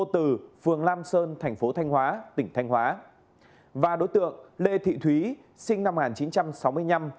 phường lam sơn thành phố thanh hóa tỉnh thanh hóa và đối tượng lê thị thúy sinh năm một nghìn chín trăm sáu mươi năm